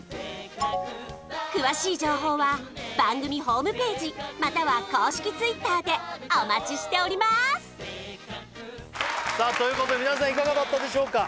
詳しい情報は番組ホームページまたは公式Ｔｗｉｔｔｅｒでお待ちしておりますさあということでみなさんいかがだったでしょうか？